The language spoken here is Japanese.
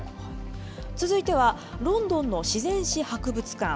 続いては、ロンドンの自然史博物館。